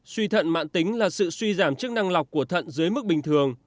suy thận mạng tính là sự suy giảm chức năng lọc của thận dưới mức bình thường